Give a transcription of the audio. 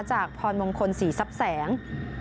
จากพรวงคล๔ซับแสง